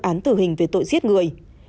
án tử hình về tội giết người